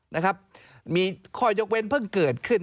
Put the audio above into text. นะครับมีข้อยกเว้นเพิ่งเกิดขึ้น